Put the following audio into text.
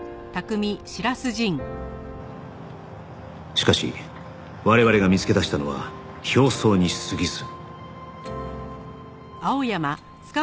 しかし我々が見つけ出したのは表層に過ぎず